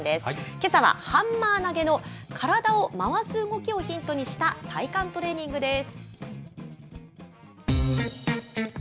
けさはハンマー投げの体を回す動きをヒントにした体幹トレーニングです。